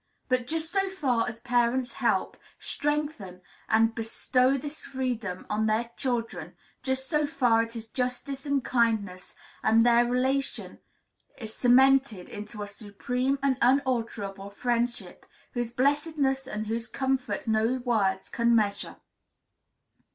But just so far as parents help, strengthen, and bestow this freedom on their children, just so far it is justice and kindness, and their relation is cemented into a supreme and unalterable friendship, whose blessedness and whose comfort no words can measure.